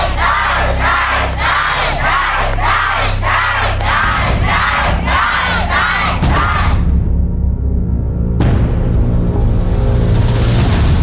ใน